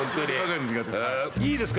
いいですか？